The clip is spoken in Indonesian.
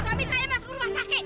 suami saya masuk rumah sakit